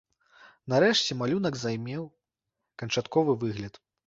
Нарэшце малюнак займеў канчатковы выгляд.